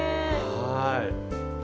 はい。